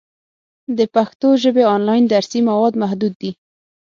د پښتو ژبې آنلاین درسي مواد محدود دي.